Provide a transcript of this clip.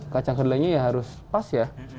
kacang kedelainya ya harus pas ya